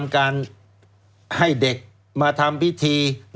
แล้วเขาก็ใช้วิธีการเหมือนกับในการ์ตูน